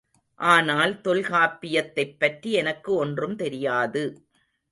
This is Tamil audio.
ஆனால் தொல்காப்பியத்தைப் பற்றி எனக்கு ஒன்றும் தெரியாது.